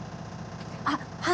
あっはい。